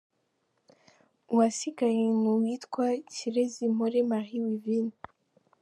Uwasigaye n’ uwitwa Ikirezi Mpore Marie Wivine.